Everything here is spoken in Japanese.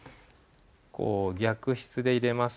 こう逆筆で入れます。